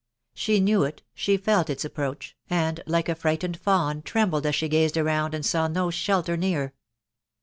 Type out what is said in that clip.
She knew it, she felt its approach, and, like a frightened fawn, trembled as she gazed around, and saw no shelter near.